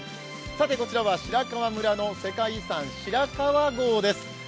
こちらは白川村の世界遺産白川郷です。